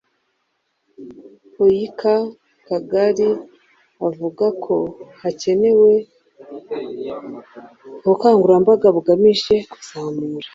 oiaka kagari avuga ko hakenewe ubukangurambaga bugamije kuzamura